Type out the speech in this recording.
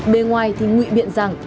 bề ngoài thì ngụy biện rằng